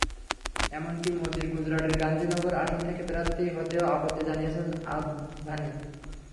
এমনকি মোদির গুজরাটের গান্ধীনগর আসন থেকে প্রার্থী হতেও আপত্তি জানিয়েছিলেন আদভানি।